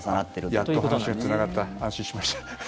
やっと話がつながった安心しました。